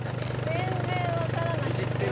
全然分からなくて。